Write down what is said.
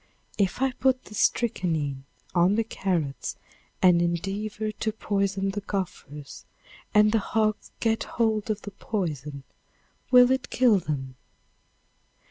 If I put the strychnine on the carrots, and endeavor to poison the gophers, and the hogs get hold of the poison will it kill them?